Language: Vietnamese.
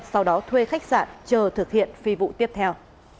sau đó thuê khách sạn chờ thực hiện phi vụ tiếp theo